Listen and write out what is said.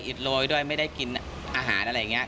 โรยด้วยไม่ได้กินอาหารอะไรอย่างนี้